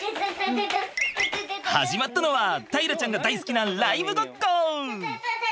始まったのは大樂ちゃんが大好きなライブごっこ。